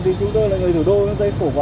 thì chúng tôi là người thủ đô chúng tôi khổ quá